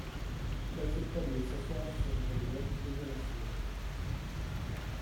Il accepta de s'asseoir sur un tabouret, devant la serrurerie.